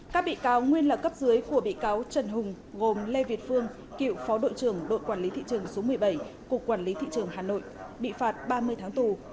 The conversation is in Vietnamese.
các bị cáo nguyên là cấp dưới của bị cáo trần hùng gồm lê việt phương cựu phó đội trưởng đội quản lý thị trường số một mươi bảy cục quản lý thị trường hà nội bị phạt ba mươi tháng tù